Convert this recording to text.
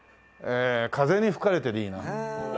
『風に吹かれて』でいいな。